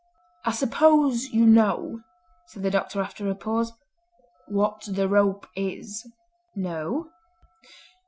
"I suppose you know," said the Doctor after a pause, "what the rope is?" "No!"